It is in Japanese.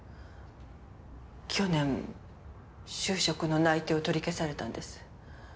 去年就職の内定を取り消されたんです。